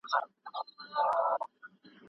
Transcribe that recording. ایا په اوړي کي د کدو د جوس چښل بدن سوړ ساتي؟